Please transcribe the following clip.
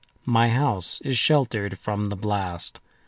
My house is sheltered from the blast.